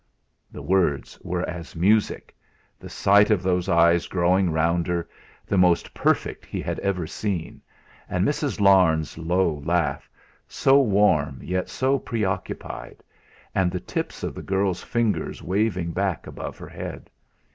The words were as music; the sight of those eyes growing rounder, the most perfect he had ever seen; and Mrs. Larne's low laugh, so warm yet so preoccupied, and the tips of the girl's fingers waving back above her head.